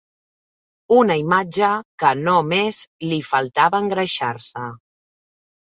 Una imatge que no més li faltava engreixar-se